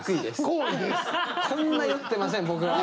こんな酔ってません僕は。